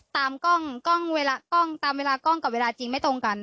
ตามกล้องกล้องเวลากล้องตามเวลากล้องกับเวลาจริงไม่ตรงกัน